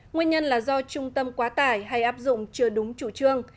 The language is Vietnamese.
nguyên nhân là do trung tâm quá tải hay áp dụng chưa đúng chủ trương